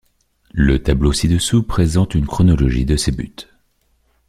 Le tableau ci-dessous présente une chronologie de ces buts.